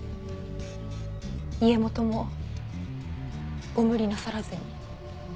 家元もご無理なさらずに。